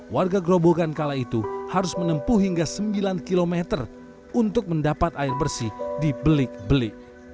warga gerobogan kala itu harus menempuh hingga sembilan km untuk mendapat air bersih di belik belik